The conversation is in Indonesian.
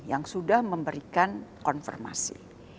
yang sudah memberikan konfirmasi